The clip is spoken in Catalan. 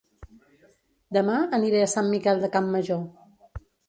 Dema aniré a Sant Miquel de Campmajor